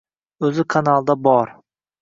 O‘zi kanalda bor.